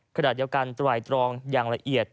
ขณะเดียวกันตรายตรองอย่างละเอียด